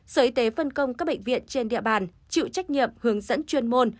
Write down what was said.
sở y tế phân công các bệnh viện trên địa bàn chịu trách nhiệm hướng dẫn chuyên môn